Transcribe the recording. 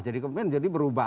jadi kebijakannya berubah